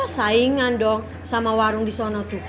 saingan dong sama warung di sana tuh